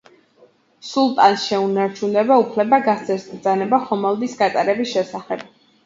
სულტანს შეუნარჩუნდა უფლება გასცეს ბრძანება ხომალდის გატარების შესახებ.